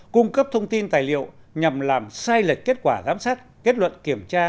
cung cấp thông tin tài liệu nhằm làm sai lệch kết quả giám sát kết luận kiểm tra